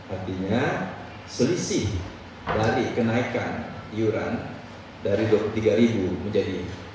artinya selisih dari kenaikan iuran dari rp dua puluh tiga menjadi rp empat puluh dua